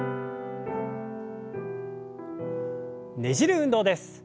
ねじる運動です。